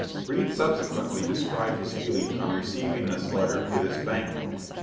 Reade subsequently described his feelings on receiving this letter with its bank note.